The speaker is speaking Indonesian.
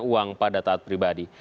uang pada taat pribadi